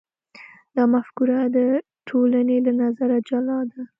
دا مفکوره د ټولنې له نظره جلا ده.